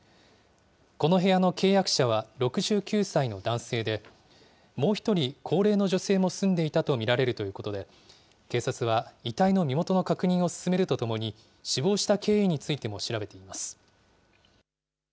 この部屋の契約者は６９歳の男性で、もう１人、高齢の女性も住んでいたと見られるということで、警察は遺体の身元の確認を進めるとともに、死亡した経緯についても調べています。